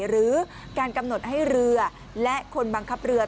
หรือการกำหนดให้เรือและคนบังคับเรือ